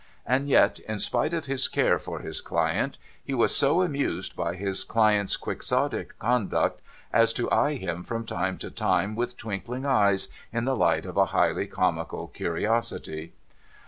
And yet, in spite of his care for his client, he was so amused hy his client's Quixotic conduct, as to eye him from time to time with twinkling eyes, in tlie light of a highly comical curiosity.